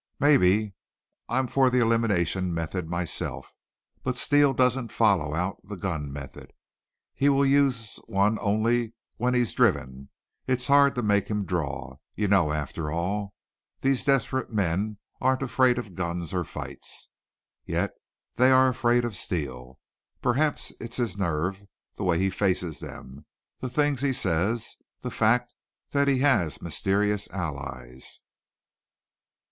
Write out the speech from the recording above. "Maybe. I'm for the elimination method myself. But Steele doesn't follow out the gun method. He will use one only when he's driven. It's hard to make him draw. You know, after all, these desperate men aren't afraid of guns or fights. Yet they are afraid of Steele. Perhaps it's his nerve, the way he faces them, the things he says, the fact that he has mysterious allies."